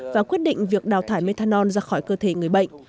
và quyết định việc đào thải methanol ra khỏi cơ thể người bệnh